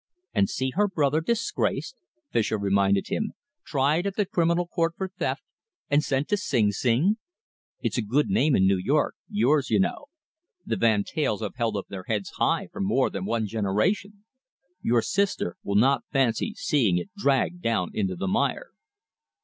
"And see her brother disgraced," Fischer reminded him, "tried at the Criminal Court for theft and sent to Sing Sing? It's a good name in New York, yours, you know. The Van Teyls have held up their heads high for more than one generation. Your sister will not fancy seeing it dragged down into the mire."